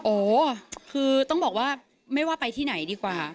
โอ้คือต้องบอกว่าไม่ว่าไปที่ไหนดีกว่า